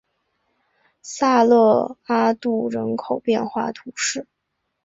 萨勒阿杜人口变化图示